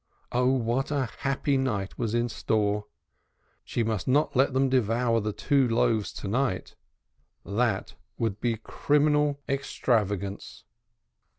Ah! what a happy night was in store. She must not let them devour the two loaves to night; that would be criminal extravagance.